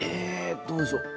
どうでしょう。